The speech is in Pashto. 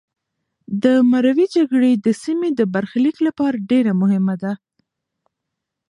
د مروې جګړه د سیمې د برخلیک لپاره ډېره مهمه وه.